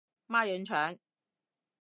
孖膶腸